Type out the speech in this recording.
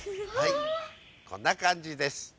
はいこんなかんじです。